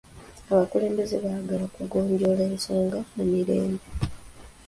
Abakulembeze baagala kugonjoola ensonga mu mirembe.